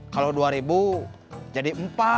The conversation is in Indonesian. kalau dua ribu jadi empat